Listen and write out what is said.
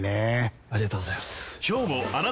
ありがとうございます！